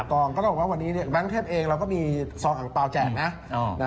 อใช่ตกลองก็ต้องบอกว่าวันนี้บรรทบินตรีเองเราก็มีซองอ่างเปล่าแจกนะ